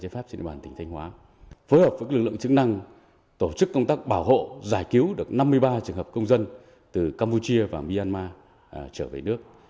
phối hợp với lực lượng chức năng tổ chức công tác bảo hộ giải cứu được năm mươi ba trường hợp công dân từ campuchia và myanmar trở về nước